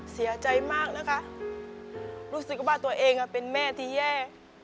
เสียใจมากนะคะรู้สึกว่าตัวเองเป็นแม่ที่แย่